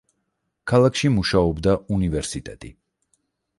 ქალაქში მუშაობდა უნივერსიტეტი.